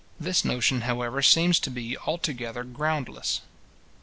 This notion, however, seems to be altogether groundless.